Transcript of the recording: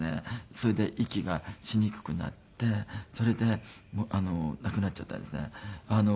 それで息がしにくくなってそれで亡くなっちゃったんですね。